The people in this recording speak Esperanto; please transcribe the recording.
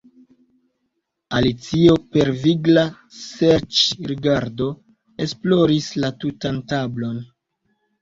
Alicio per vigla serĉrigardo esploris la tutan tablon.